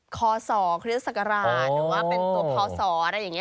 คศคริสศักราชหรือว่าเป็นตัวพศอะไรอย่างนี้